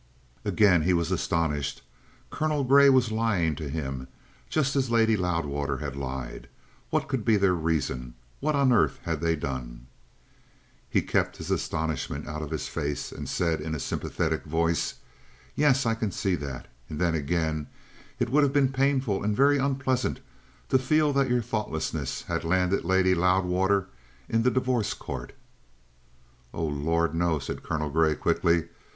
Again he was astonished. Colonel Grey was lying to him just as Lady Loudwater had lied. What could be their reason? What on earth had they done? He kept his astonishment out of his face, and said in a sympathetic voice: "Yes, I can see that. And then, again, it would have been painful and very unpleasant to feel that your thoughtlessness had landed Lady Loudwater in the Divorce Court." "Oh, Lord, no!" said Colonel Grey quickly.